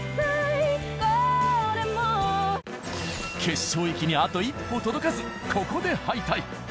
決勝行きにあと一歩届かずここで敗退。